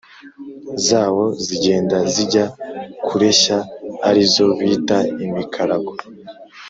zawo zigenda zijya kureshya ari zo bita”imikarago”.